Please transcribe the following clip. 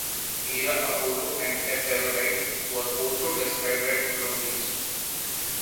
Hera, Apollo and Aphrodite were also described as blondes.